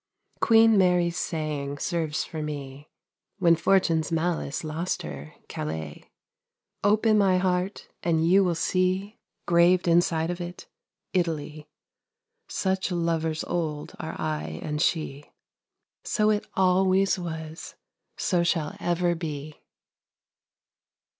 Queen Mary's saying serves for me 40 (When fortune's malice Lost her, Calais) Open my heart and you will see Graved inside of it, 'Italy,' Such lovers old are I and she; 45 So it always was, so shall ever be!